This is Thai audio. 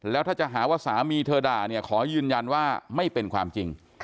แล้วถ้าจะหาว่าสามีเธอด่าเนี่ยขอยืนยันว่าไม่เป็นความจริง